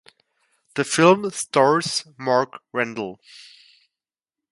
The film stars Mark Rendall.